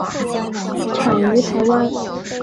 产于台湾。